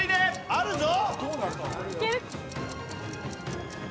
あるぞ！